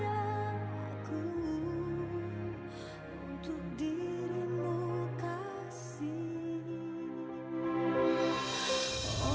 untuk dirimu kasih